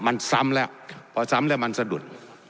มันซ้ำแล้วพอซ้ำแล้วมันสะดุด